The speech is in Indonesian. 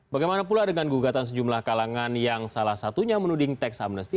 bagaimana pula dengan gugatan sejumlah kalangan yang salah satunya menuding teks amnesty